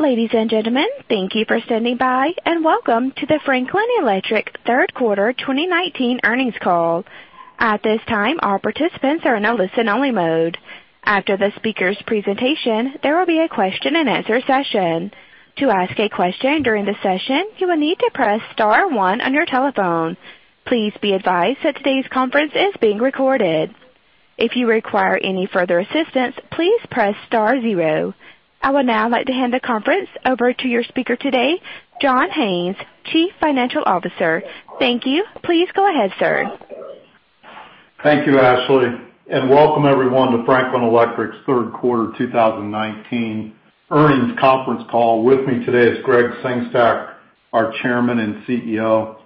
Ladies and gentlemen, thank you for standing by, and welcome to the Franklin Electric third quarter 2019 earnings call. At this time, our participants are in a listen-only mode. After the speaker's presentation, there will be a question-and-answer session. To ask a question during the session, you will need to press star one on your telephone. Please be advised that today's conference is being recorded. If you require any further assistance, please press star zero. I would now like to hand the conference over to your speaker today, John Haines, Chief Financial Officer. Thank you. Please go ahead, sir. Thank you, Ashley. Welcome everyone to Franklin Electric's third quarter 2019 earnings conference call. With me today is Gregg Sengstack, our Chairman and CEO.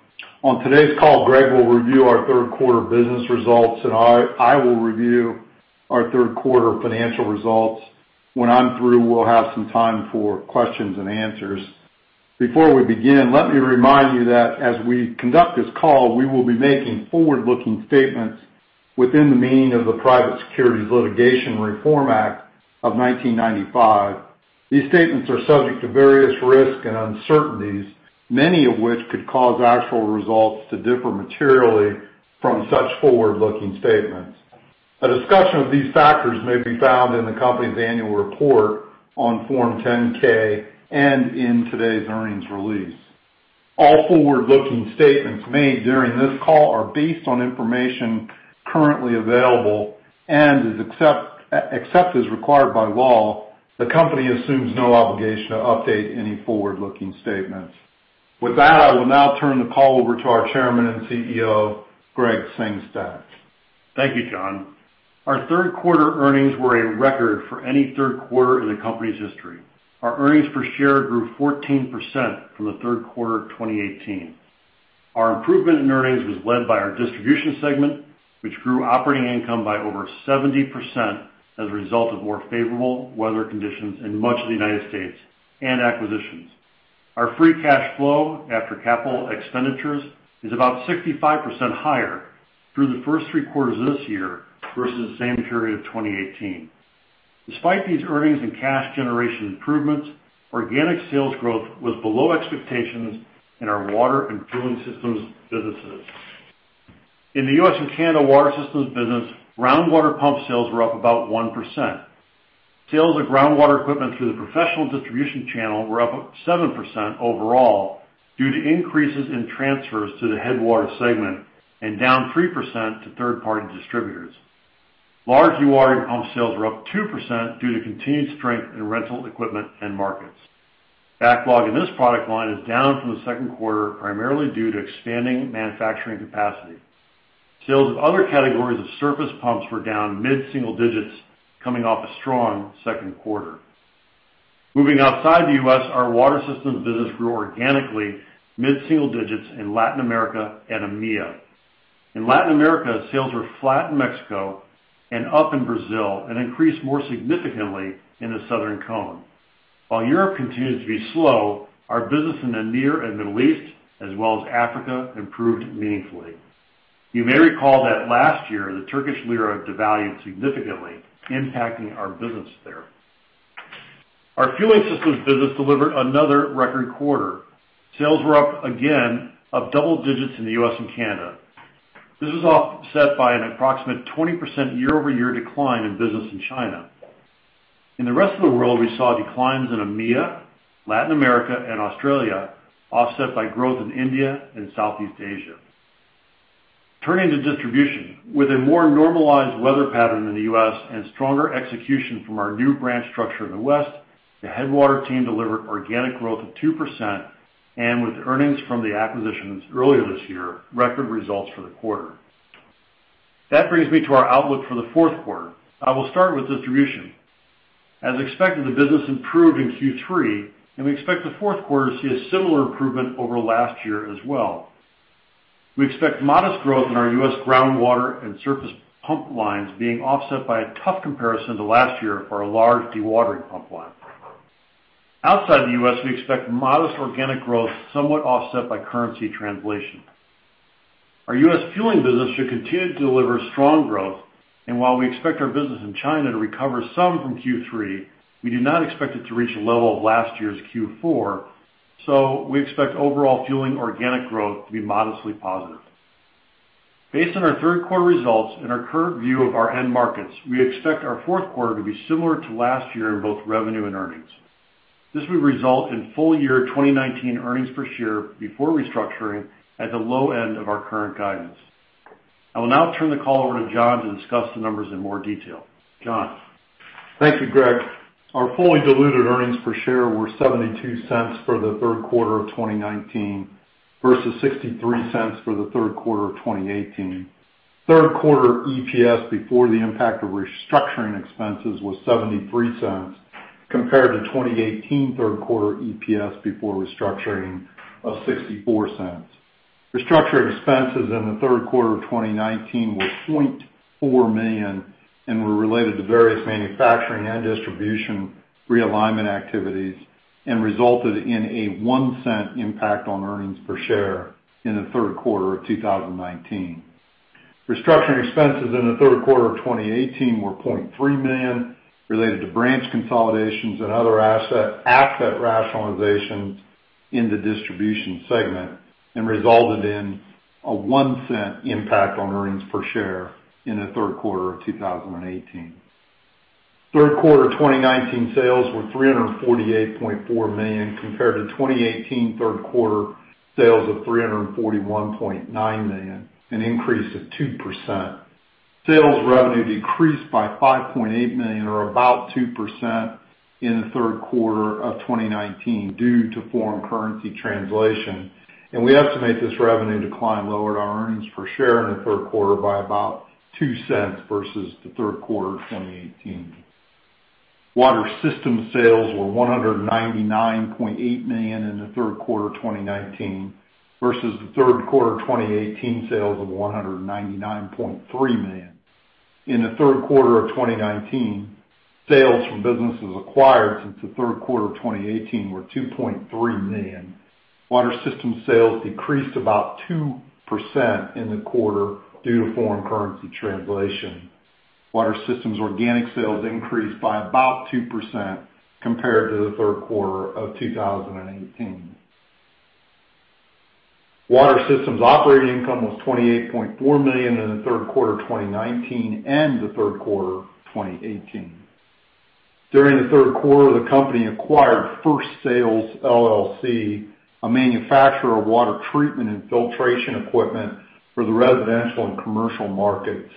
On today's call, Gregg will review our third quarter business results, and I, I will review our third quarter financial results. When I'm through, we'll have some time for questions and answers. Before we begin, let me remind you that as we conduct this call, we will be making forward-looking statements within the meaning of the Private Securities Litigation Reform Act of 1995. These statements are subject to various risks and uncertainties, many of which could cause actual results to differ materially from such forward-looking statements. A discussion of these factors may be found in the company's annual report on Form 10-K and in today's earnings release. All forward-looking statements made during this call are based on information currently available, and as accepted, except as required by law, the company assumes no obligation to update any forward-looking statements. With that, I will now turn the call over to our Chairman and CEO, Gregg Sengstack. Thank you, John. Our third quarter earnings were a record for any third quarter in the company's history. Our earnings per share grew 14% from the third quarter of 2018. Our improvement in earnings was led by our distribution segment, which grew operating income by over 70% as a result of more favorable weather conditions in much of the United States and acquisitions. Our free cash flow after capital expenditures is about 65% higher through the first three quarters of this year versus the same period of 2018. Despite these earnings and cash generation improvements, organic sales growth was below expectations in our water and fueling systems businesses. In the U.S. and Canada water systems business, groundwater pump sales were up about 1%. Sales of groundwater equipment through the professional distribution channel were up 7% overall due to increases in transfers to the Headwater segment and down 3% to third-party distributors. Large dewatering pump sales were up 2% due to continued strength in rental equipment and markets. Backlog in this product line is down from the second quarter, primarily due to expanding manufacturing capacity. Sales of other categories of surface pumps were down mid-single digits, coming off a strong second quarter. Moving outside the U.S., our water systems business grew organically mid-single digits in Latin America and EMEA. In Latin America, sales were flat in Mexico and up in Brazil, and increased more significantly in the Southern Cone. While Europe continues to be slow, our business in the Near and Middle East, as well as Africa, improved meaningfully. You may recall that last year, the Turkish lira devalued significantly, impacting our business there. Our fueling systems business delivered another record quarter. Sales were up double digits again in the U.S. and Canada. This was offset by an approximate 20% year-over-year decline in business in China. In the rest of the world, we saw declines in EMEA, Latin America, and Australia, offset by growth in India and Southeast Asia. Turning to distribution, with a more normalized weather pattern in the U.S. and stronger execution from our new branch structure in the West, the Headwater team delivered organic growth of 2%, and with earnings from the acquisitions earlier this year, record results for the quarter. That brings me to our outlook for the fourth quarter. I will start with distribution. As expected, the business improved in Q3, and we expect the fourth quarter to see a similar improvement over last year as well. We expect modest growth in our U.S. groundwater and surface pump lines being offset by a tough comparison to last year for our large dewatering pump line. Outside the U.S., we expect modest organic growth, somewhat offset by currency translation. Our U.S. fueling business should continue to deliver strong growth, and while we expect our business in China to recover some from Q3, we do not expect it to reach a level of last year's Q4, so we expect overall fueling organic growth to be modestly positive. Based on our third quarter results and our current view of our end markets, we expect our fourth quarter to be similar to last year in both revenue and earnings. This would result in full-year 2019 earnings per share before restructuring at the low end of our current guidance. I will now turn the call over to John to discuss the numbers in more detail. John. Thank you, Gregg. Our fully diluted earnings per share were $0.72 for the third quarter of 2019 versus $0.63 for the third quarter of 2018. Third quarter EPS before the impact of restructuring expenses was $0.73, compared to 2018 third quarter EPS before restructuring of $0.64. Restructuring expenses in the third quarter of 2019 were $0.4 million and were related to various manufacturing and distribution realignment activities and resulted in a $0.01 impact on earnings per share in the third quarter of 2019. Restructuring expenses in the third quarter of 2018 were $0.3 million, related to branch consolidations and other asset rationalizations in the distribution segment, and resulted in a $0.01 impact on earnings per share in the third quarter of 2018. Third quarter 2019 sales were $348.4 million, compared to 2018 third quarter sales of $341.9 million, an increase of 2%. Sales revenue decreased by $5.8 million, or about 2%, in the third quarter of 2019 due to foreign currency translation, and we estimate this revenue decline lowered our earnings per share in the third quarter by about $0.02 versus the third quarter of 2018. Water Systems sales were $199.8 million in the third quarter of 2019 versus the third quarter of 2018 sales of $199.3 million. In the third quarter of 2019, sales from businesses acquired since the third quarter of 2018 were $2.3 million. Water Systems sales decreased about 2% in the quarter due to foreign currency translation. Water Systems organic sales increased by about 2% compared to the third quarter of 2018. Water Systems operating income was $28.4 million in the third quarter of 2019 and the third quarter of 2018. During the third quarter, the company acquired First Sales LLC, a manufacturer of water treatment and filtration equipment for the residential and commercial markets.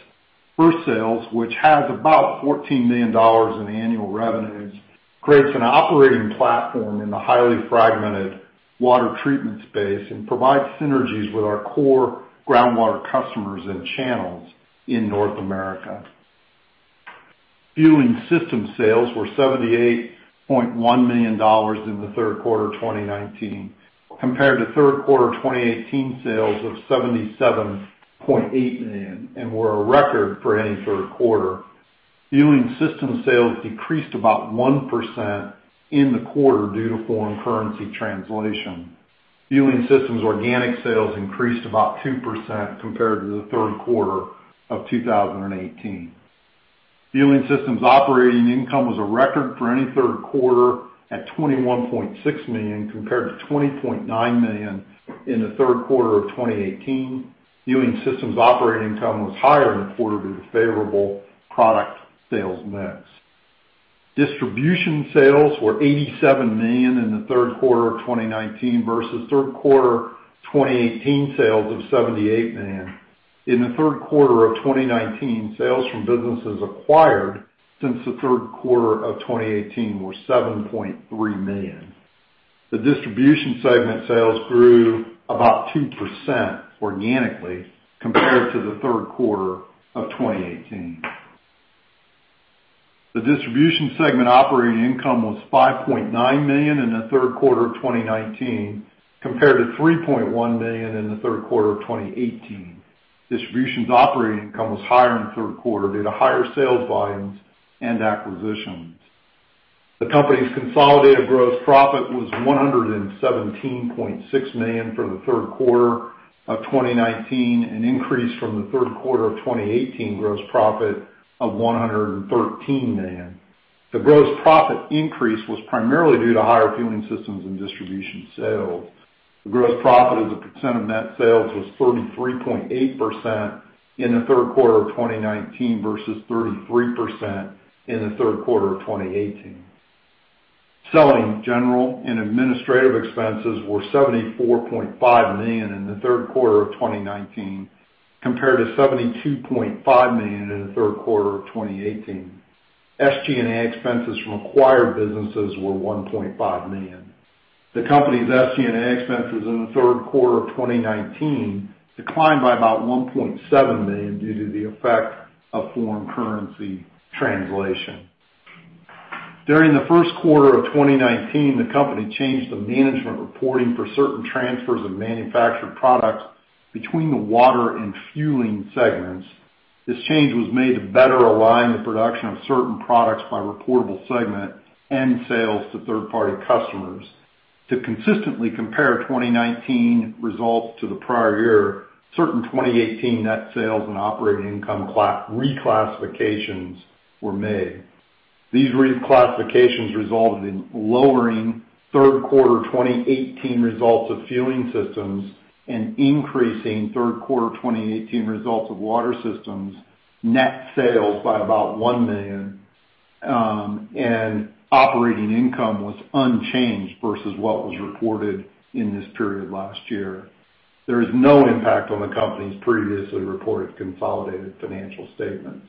First Sales, which has about $14 million in annual revenues, creates an operating platform in the highly fragmented water treatment space and provides synergies with our core groundwater customers and channels in North America. Fueling systems sales were $78.1 million in the third quarter of 2019, compared to third quarter 2018 sales of $77.8 million and were a record for any third quarter. Fueling systems sales decreased about 1% in the quarter due to foreign currency translation. Fueling systems organic sales increased about 2% compared to the third quarter of 2018. Fueling systems operating income was a record for any third quarter at $21.6 million, compared to $20.9 million in the third quarter of 2018. Fueling systems operating income was higher in the quarter due to favorable product sales mix. Distribution sales were $87 million in the third quarter of 2019 versus third quarter 2018 sales of $78 million. In the third quarter of 2019, sales from businesses acquired since the third quarter of 2018 were $7.3 million. The distribution segment sales grew about 2% organically, compared to the third quarter of 2018. The distribution segment operating income was $5.9 million in the third quarter of 2019, compared to $3.1 million in the third quarter of 2018. Distribution's operating income was higher in the third quarter due to higher sales volumes and acquisitions. The company's consolidated gross profit was $117.6 million for the third quarter of 2019, an increase from the third quarter of 2018 gross profit of $113 million. The gross profit increase was primarily due to higher fueling systems and distribution sales. The gross profit as a percent of net sales was 33.8% in the third quarter of 2019 versus 33% in the third quarter of 2018. Selling general and administrative expenses were $74.5 million in the third quarter of 2019, compared to $72.5 million in the third quarter of 2018. SG&A expenses from acquired businesses were $1.5 million. The company's SG&A expenses in the third quarter of 2019 declined by about $1.7 million due to the effect of foreign currency translation. During the first quarter of 2019, the company changed the management reporting for certain transfers of manufactured products between the water and fueling segments. This change was made to better align the production of certain products by reportable segment and sales to third-party customers. To consistently compare 2019 results to the prior year, certain 2018 net sales and operating income reclassifications were made. These reclassifications resulted in lowering third quarter 2018 results of fueling systems and increasing third quarter 2018 results of water systems net sales by about $1 million, and operating income was unchanged versus what was reported in this period last year. There is no impact on the company's previously reported consolidated financial statements.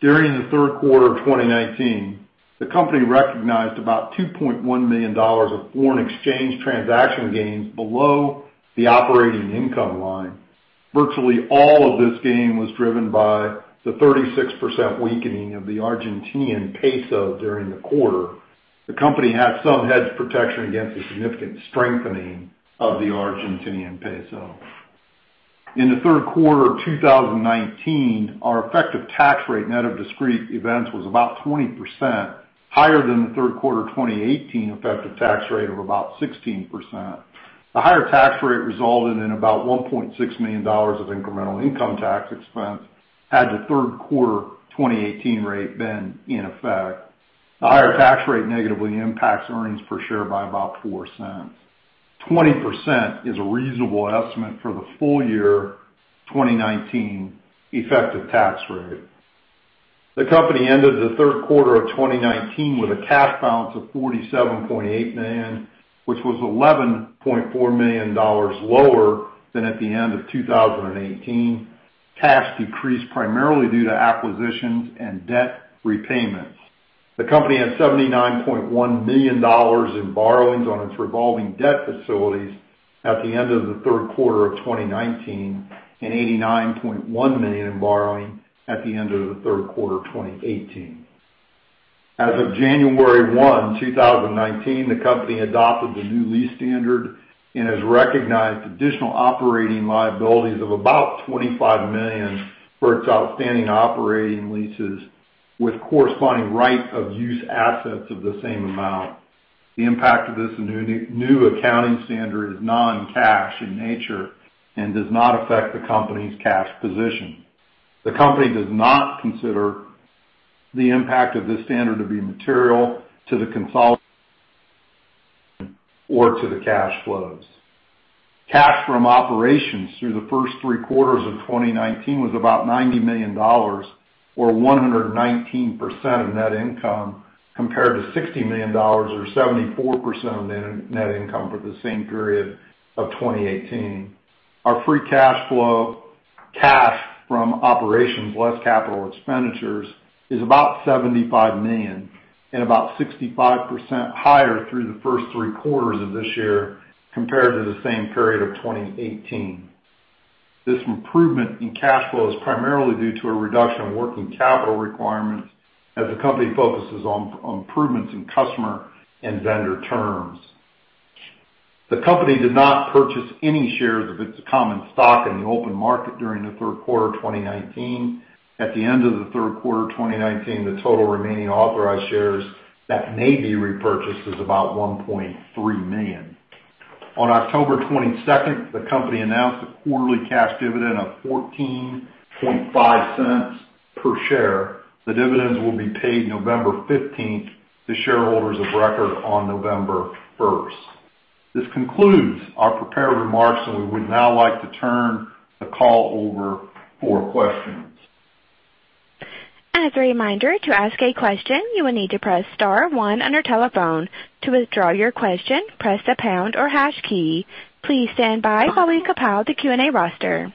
During the third quarter of 2019, the company recognized about $2.1 million of foreign exchange transaction gains below the operating income line. Virtually all of this gain was driven by the 36% weakening of the Argentine peso during the quarter. The company had some hedge protection against a significant strengthening of the Argentine peso. In the third quarter of 2019, our effective tax rate net of discrete events was about 20%, higher than the third quarter 2018 effective tax rate of about 16%. The higher tax rate resulted in about $1.6 million of incremental income tax expense, had the third quarter 2018 rate been in effect. The higher tax rate negatively impacts earnings per share by about $0.04. 20% is a reasonable estimate for the full-year 2019 effective tax rate. The company ended the third quarter of 2019 with a cash balance of $47.8 million, which was $11.4 million lower than at the end of 2018. Cash decreased primarily due to acquisitions and debt repayments. The company had $79.1 million in borrowings on its revolving debt facilities at the end of the third quarter of 2019 and $89.1 million in borrowing at the end of the third quarter of 2018. As of January 1, 2019, the company adopted the new lease standard and has recognized additional operating liabilities of about $25 million for its outstanding operating leases with corresponding Right of Use Assets of the same amount. The impact of this new accounting standard is non-cash in nature and does not affect the company's cash position. The company does not consider the impact of this standard to be material to the consolidation or to the cash flows. Cash from operations through the first three quarters of 2019 was about $90 million, or 119% of net income, compared to $60 million, or 74% of net income for the same period of 2018. Our free cash flow, cash from operations less capital expenditures, is about $75 million and about 65% higher through the first three quarters of this year compared to the same period of 2018. This improvement in cash flow is primarily due to a reduction in working capital requirements as the company focuses on improvements in customer and vendor terms. The company did not purchase any shares of its common stock in the open market during the third quarter of 2019. At the end of the third quarter of 2019, the total remaining authorized shares that may be repurchased is about $1.3 million. On October 22nd, the company announced a quarterly cash dividend of $0.145 per share. The dividends will be paid November 15th to shareholders of record on November 1st. This concludes our prepared remarks, and we would now like to turn the call over for questions. As a reminder, to ask a question, you will need to press star one under telephone. To withdraw your question, press the pound or hash key. Please stand by while we compile the Q&A roster.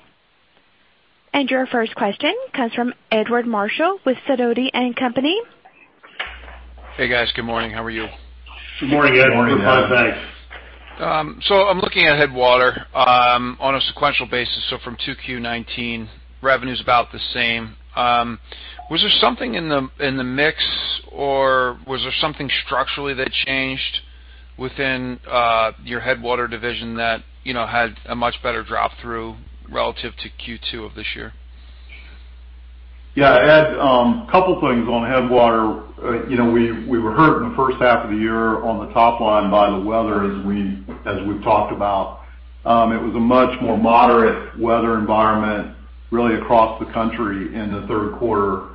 Your first question comes from Edward Marshall with Sidoti & Company. Hey guys, good morning. How are you? Good morning, Edward. Good morning. So I'm looking at Headwater on a sequential basis, so from 2Q19, revenue's about the same. Was there something in the mix, or was there something structurally that changed within your Headwater division that had a much better drop-through relative to Q2 of this year? Yeah, Ed, a couple things on Headwater. We were hurt in the first half of the year on the top line by the weather, as we've talked about. It was a much more moderate weather environment really across the country in the third quarter.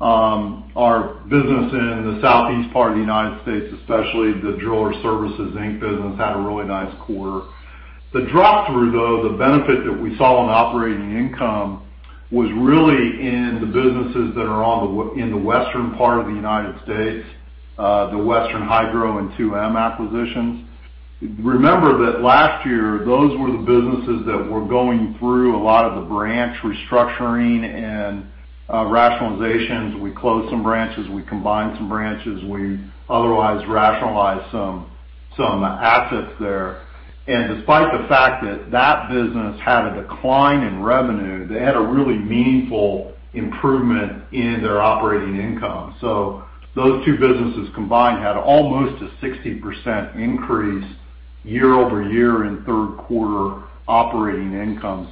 Our business in the Southeast part of the United States, especially the Drillers Service, Inc. business, had a really nice quarter. The drop-through, though, the benefit that we saw on operating income was really in the businesses that are in the western part of the United States, the Western Hydro and 2M acquisitions. Remember that last year, those were the businesses that were going through a lot of the branch restructuring and rationalizations. We closed some branches, we combined some branches, we otherwise rationalized some assets there. Despite the fact that that business had a decline in revenue, they had a really meaningful improvement in their operating income. Those two businesses combined had almost a 60% increase year-over-year in third quarter operating income.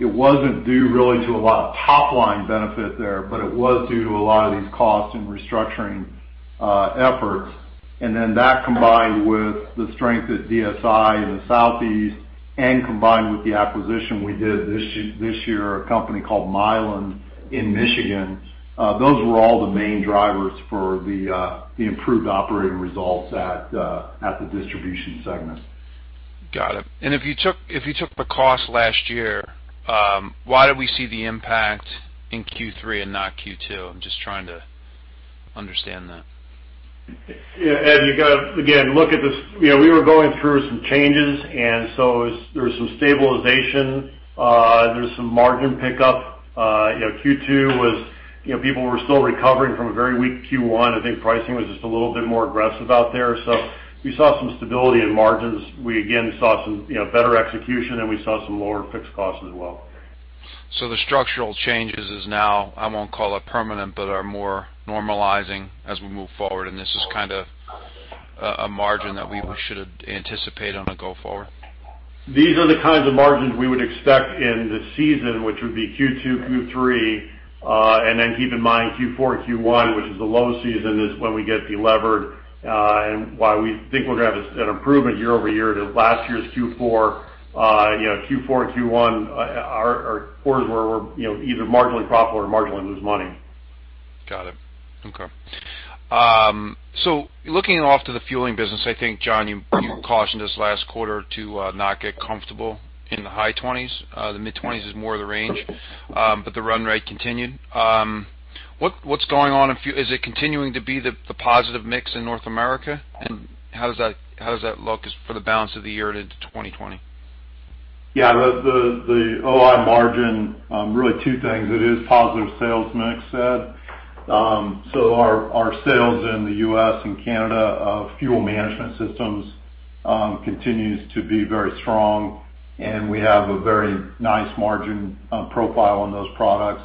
It wasn't due really to a lot of top line benefit there, but it was due to a lot of these cost and restructuring efforts. That combined with the strength at DSI in the Southeast and combined with the acquisition we did this year, a company called Mylan in Michigan, those were all the main drivers for the improved operating results at the distribution segment. Got it. If you took the cost last year, why did we see the impact in Q3 and not Q2? I'm just trying to understand that. Yeah, Ed, you got to, again, look at this. We were going through some changes, and so there was some stabilization. There was some margin pickup. Q2 was people were still recovering from a very weak Q1. I think pricing was just a little bit more aggressive out there. So we saw some stability in margins. We, again, saw some better execution, and we saw some lower fixed costs as well. The structural changes is now, I won't call it permanent, but are more normalizing as we move forward, and this is kind of a margin that we should anticipate on a go-forward? These are the kinds of margins we would expect in the season, which would be Q2, Q3. And then keep in mind Q4 and Q1, which is the low season, is when we get the levered and why we think we're going to have an improvement year-over-year to last year's Q4. Q4 and Q1 are quarters where we're either marginally profitable or marginally lose money. Got it. Okay. So looking off to the fueling business, I think, John, you cautioned us last quarter to not get comfortable in the high 20s. The mid 20s is more of the range, but the run rate continued. What's going on in fueling? Is it continuing to be the positive mix in North America, and how does that look for the balance of the year into 2020? Yeah, the OI margin, really two things. It is positive sales mix, Ed. So our sales in the U.S. and Canada of fuel management systems continues to be very strong, and we have a very nice margin profile on those products.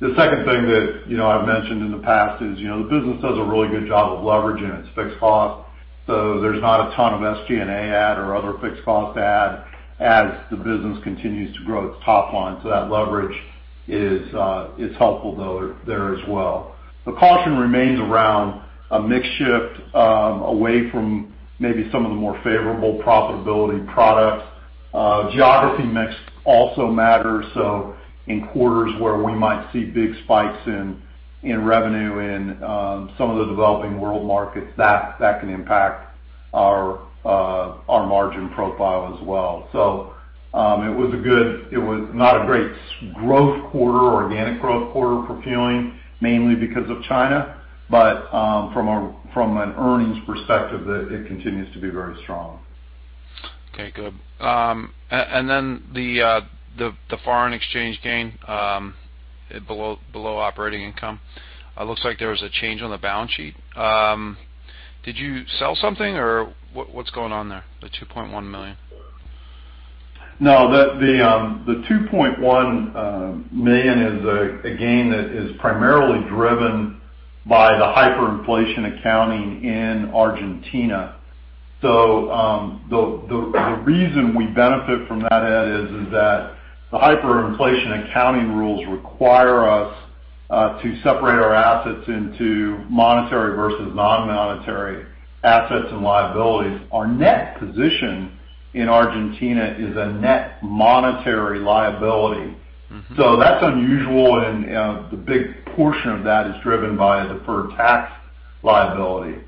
The second thing that I've mentioned in the past is the business does a really good job of leveraging its fixed costs. So there's not a ton of SG&A ad or other fixed cost ad as the business continues to grow its top line. So that leverage is helpful, though, there as well. The caution remains around a mix shift away from maybe some of the more favorable profitability products. Geography mix also matters. So in quarters where we might see big spikes in revenue in some of the developing world markets, that can impact our margin profile as well. So it was not a great growth quarter, organic growth quarter for fueling, mainly because of China, but from an earnings perspective, it continues to be very strong. Okay, good. And then the foreign exchange gain below operating income, it looks like there was a change on the balance sheet. Did you sell something, or what's going on there, the $2.1 million? No, the $2.1 million is a gain that is primarily driven by the hyperinflation accounting in Argentina. So the reason we benefit from that, Ed, is that the hyperinflation accounting rules require us to separate our assets into monetary versus non-monetary assets and liabilities. Our net position in Argentina is a net monetary liability. So that's unusual, and the big portion of that is driven by a deferred tax liability.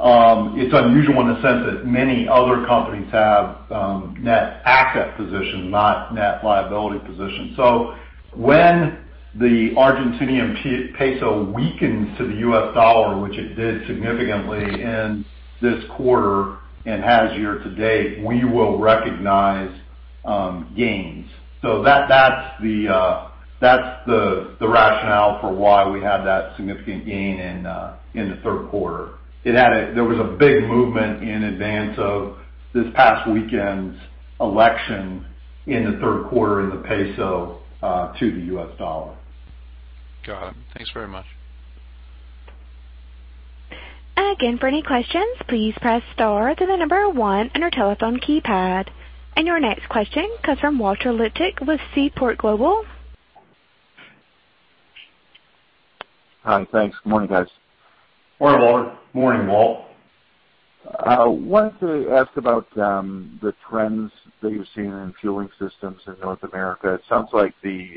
It's unusual in the sense that many other companies have net asset positions, not net liability positions. So when the Argentinian peso weakens to the U.S. dollar, which it did significantly in this quarter and has year-to-date, we will recognize gains. So that's the rationale for why we had that significant gain in the third quarter. There was a big movement in advance of this past weekend's election in the third quarter in the peso to the U.S. dollar. Got it. Thanks very much. And again, for any questions, please press star to the number one under telephone keypad. And your next question comes from Walter Liptak with Seaport Global. Hi, thanks. Good morning, guys. Morning, Walter. Morning, Walt. I wanted to ask about the trends that you're seeing in fueling systems in North America. It sounds like the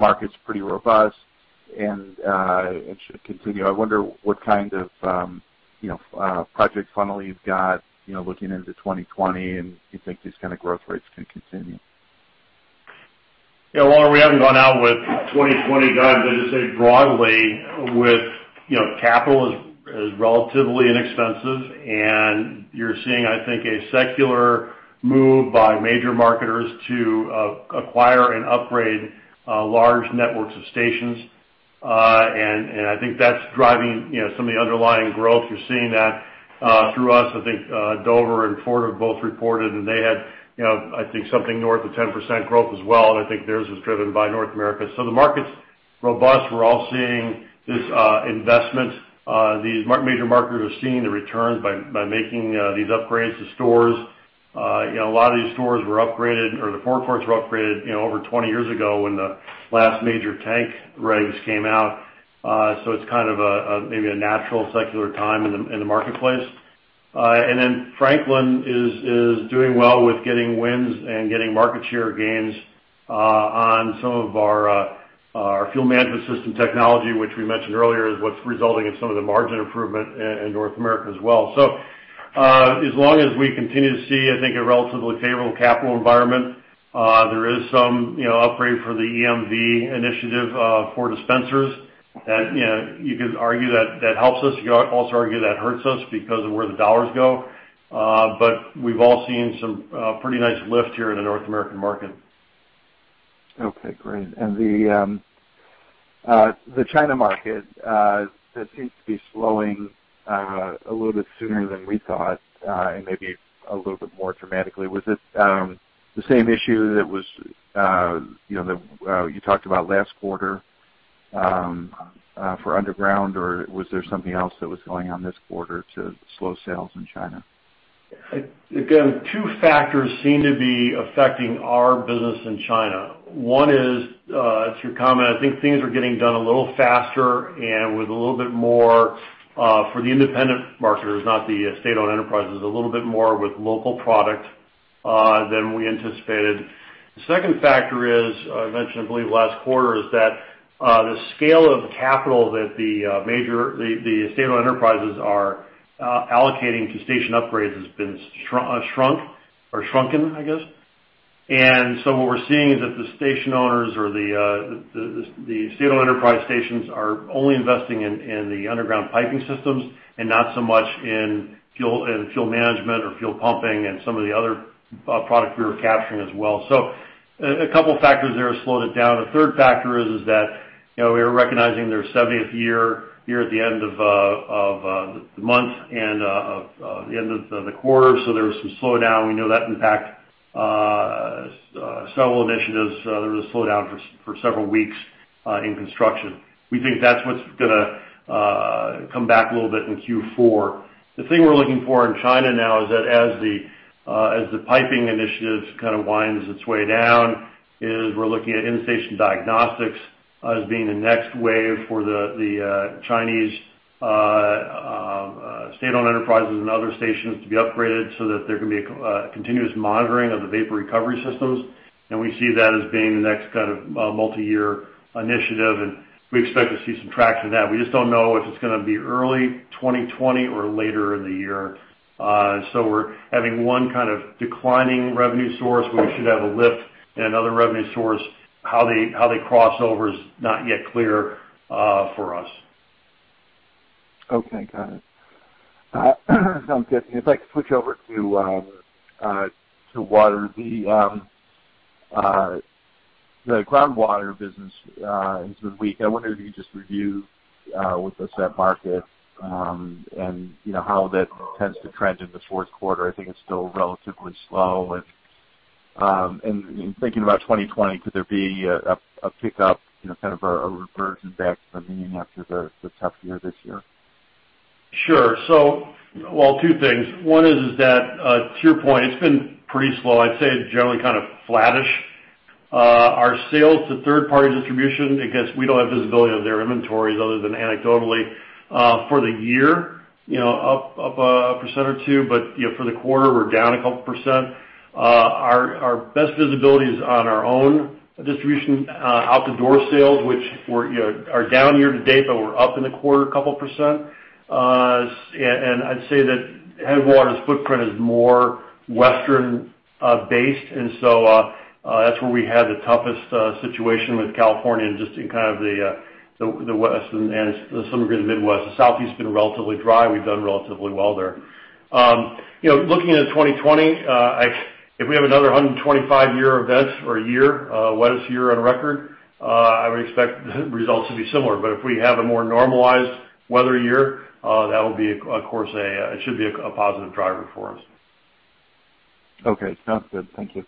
market's pretty robust and should continue. I wonder what kind of project funnel you've got looking into 2020, and you think these kind of growth rates can continue? Yeah, Walter, we haven't gone out with 2020, guys. I'd just say broadly, capital is relatively inexpensive, and you're seeing, I think, a secular move by major marketers to acquire and upgrade large networks of stations. And I think that's driving some of the underlying growth. You're seeing that through us. I think Dover and Fortive have both reported, and they had, I think, something north of 10% growth as well. And I think theirs was driven by North America. So the market's robust. We're all seeing this investment. These major marketers are seeing the returns by making these upgrades to stores. A lot of these stores were upgraded, or the forklifts were upgraded, over 20 years ago when the last major tank rigs came out. So it's kind of maybe a natural secular time in the marketplace. Then Franklin is doing well with getting wins and getting market share gains on some of our fuel management system technology, which we mentioned earlier is what's resulting in some of the margin improvement in North America as well. So as long as we continue to see, I think, a relatively favorable capital environment, there is some upgrade for the EMV initiative for dispensers. You could argue that that helps us. You could also argue that hurts us because of where the dollars go. But we've all seen some pretty nice lift here in the North American market. Okay, great. The China market, that seems to be slowing a little bit sooner than we thought and maybe a little bit more dramatically. Was it the same issue that you talked about last quarter for underground, or was there something else that was going on this quarter to slow sales in China? Again, two factors seem to be affecting our business in China. One is, to your comment, I think things are getting done a little faster and with a little bit more for the independent marketers, not the state-owned enterprises, a little bit more with local product than we anticipated. The second factor is, I mentioned, I believe, last quarter, is that the scale of capital that the state-owned enterprises are allocating to station upgrades has been shrunk or shrunken, I guess. And so what we're seeing is that the station owners or the state-owned enterprise stations are only investing in the underground piping systems and not so much in fuel management or fuel pumping and some of the other product we were capturing as well. So a couple factors there have slowed it down. The third factor is that we are recognizing their 70th year here at the end of the month and at the end of the quarter. So there was some slowdown. We know that impacted several initiatives. There was a slowdown for several weeks in construction. We think that's what's going to come back a little bit in Q4. The thing we're looking for in China now is that as the piping initiative kind of winds its way down, we're looking at in-station diagnostics as being the next wave for the Chinese state-owned enterprises and other stations to be upgraded so that there can be continuous monitoring of the vapor recovery systems. And we see that as being the next kind of multi-year initiative, and we expect to see some traction to that. We just don't know if it's going to be early 2020 or later in the year. We're having one kind of declining revenue source, but we should have a lift in another revenue source. How they cross over is not yet clear for us. Okay, got it. Sounds good. If I could switch over to Walter, the groundwater business has been weak. I wonder if you could just review with us that market and how that tends to trend in the fourth quarter. I think it's still relatively slow. And thinking about 2020, could there be a pickup, kind of a reversion back to the mean after the tough year this year? Sure. Well, two things. One is that, to your point, it's been pretty slow. I'd say generally kind of flattish. Our sales to third-party distribution, I guess we don't have visibility of their inventories other than anecdotally for the year, up 1% or 2%, but for the quarter, we're down 2%. Our best visibility is on our own distribution out-the-door sales, which are down year-to-date, but we're up in the quarter 2%. And I'd say that Headwater's footprint is more Western-based, and so that's where we had the toughest situation with California and just in kind of the West and to some degree the Midwest. The Southeast has been relatively dry. We've done relatively well there. Looking into 2020, if we have another 125-year event or a wettest year on record, I would expect the results to be similar. But if we have a more normalized weather year, that will be, of course, it should be a positive driver for us. Okay, sounds good. Thank you.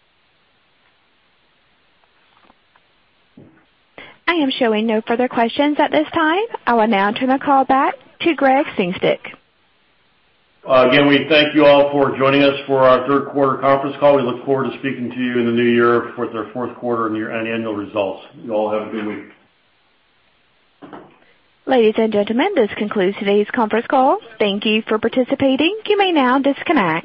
I am showing no further questions at this time. I will now turn the call back to Gregg Sengstack. Again, we thank you all for joining us for our third-quarter conference call. We look forward to speaking to you in the new year with our fourth quarter and annual results. You all have a good week. Ladies and gentlemen, this concludes today's conference call. Thank you for participating. You may now disconnect.